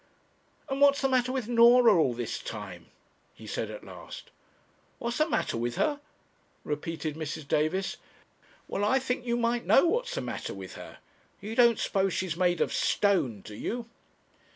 'And what's the matter with Norah all this time?' he said at last. 'What's the matter with her?' repeated Mrs. Davis. 'Well, I think you might know what's the matter with her. You don't suppose she's made of stone, do you?'